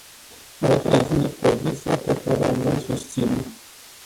Vă transmit poziția pe care o voi susține.